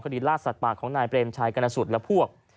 คดีล่าสัตว์ปากของนายเปรมชัยกรณสุทธิ์และพวก